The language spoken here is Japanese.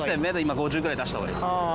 ５０ぐらい出したほうがいいですね。